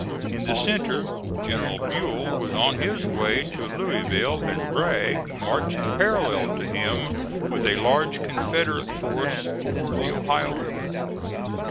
In the Centre General Buell was on his way to Louisville and Bragg marching parallel to him with a large Confederate force for the Ohio River.